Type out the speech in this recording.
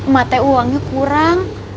mate uangnya kurang